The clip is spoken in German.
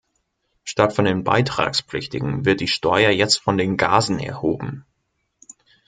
Statt von den Beitragspflichtigen wird die Steuer jetzt von den Gasen erhoben.